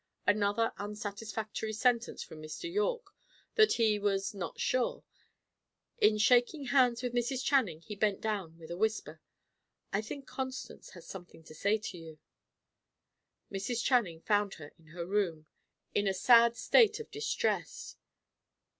Another unsatisfactory sentence from Mr. Yorke, that he "was not sure." In shaking hands with Mrs. Channing he bent down with a whisper: "I think Constance has something to say to you." Mrs. Channing found her in her room, in a sad state of distress.